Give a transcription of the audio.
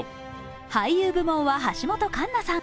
俳優部門は橋本環奈さん。